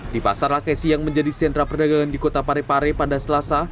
di pasar lakesi yang menjadi sentra perdagangan di kota parepare pada selasa